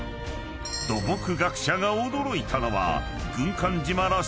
［土木学者が驚いたのは］